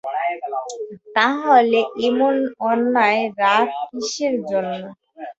তা হলে এমন অন্যায় রাগ কিসের জন্যে?